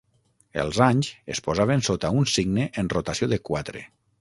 Els anys es posaven sota un signe en rotació de quatre.